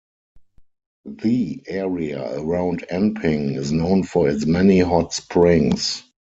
The area around Enping is known for its many hot springs.